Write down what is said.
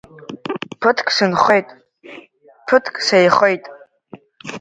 Ԥыҭк сынхеит, ԥыҭк сеихеит.